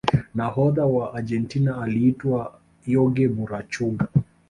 nahodha wa argentina aliitwa jorge burachuga